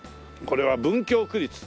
これは文京区立。